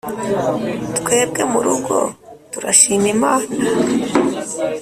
twebwe murugo turashima imana